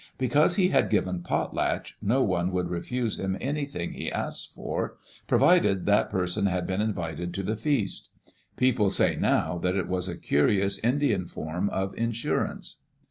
Because he had given potlatch, no one would refuse him anything he asked for, provided that person had been invited to the feast. People say now that it was a curious Indian form of insurance.